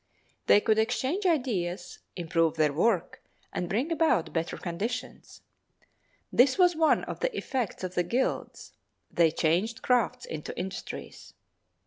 They could exchange ideas, improve their work, and bring about better conditions. This was one of the effects of the guilds—they changed crafts into industries.